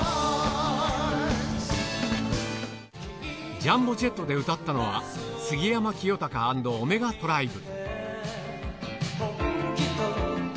ジャンボジェットで歌ったのは、杉山清貴＆オメガトライブ。